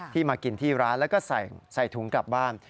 มากินที่ร้านแล้วก็ใส่ถุงกลับบ้าน